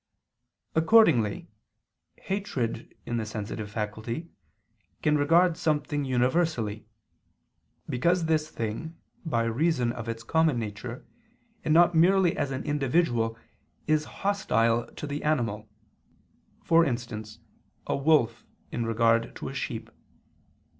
Accordingly hatred in the sensitive faculty can regard something universally: because this thing, by reason of its common nature, and not merely as an individual, is hostile to the animal for instance, a wolf in regard to a sheep.